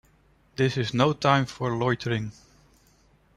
This is no time for loitering.